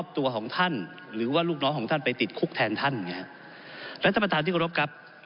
เพราะฉะนั้นผมจึงบอกท่านประธานผ่านไปยังท่านลำตรีครับ